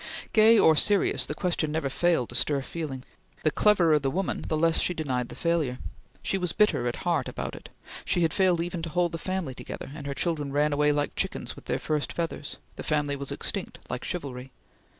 Gay or serious, the question never failed to stir feeling. The cleverer the woman, the less she denied the failure. She was bitter at heart about it. She had failed even to hold the family together, and her children ran away like chickens with their first feathers; the family was extinct like chivalry.